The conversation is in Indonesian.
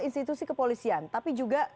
institusi kepolisian tapi juga